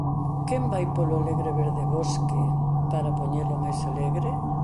Quen vai polo alegre verde bosque para poñelo máis alegre?